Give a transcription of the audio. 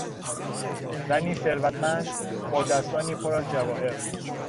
زنی ثروتمند با دستانی پر از جواهر